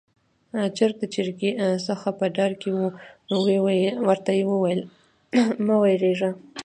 چرګ د چرګې څخه په ډار کې وو، نو يې ورته وويل: 'مه وېرېږه'.